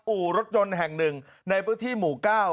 อู่รถยนต์แห่งหนึ่งในพื้นที่หมู่๙